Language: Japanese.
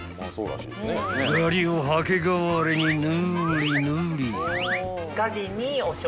［ガリをはけ代わりにヌリヌリ］